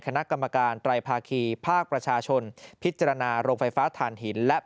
คณะกรรมการไตรภาคีภาคประชาชนพิจารณาโรงไฟฟ้าฐานหินและ